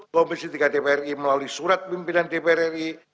komisi tiga dpr ri melalui surat pimpinan dpr ri